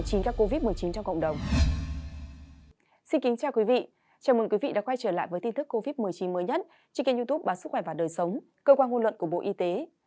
chào mừng quý vị đã quay trở lại với tin thức covid một mươi chín mới nhất trên kênh youtube bản sức khỏe và đời sống cơ quan hôn luận của bộ y tế